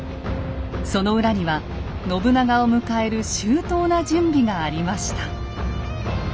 その裏には信長を迎える周到な準備がありました。